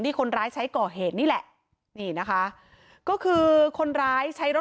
คนร้ายใช้ก่อเหตุนี่แหละนี่นะคะก็คือคนร้ายใช้รถ